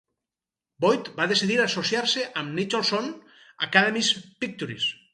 Boyd va decidir associar-se amb Nicholson 's Academy Pictures.